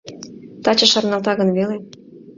Таче шарналта гын веле.